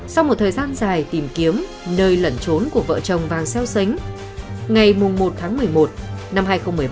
sau một thời gian dài tìm kiếm nơi lẩn trốn của vợ chồng vàng xéo sánh ngày mùng một tháng một mươi một năm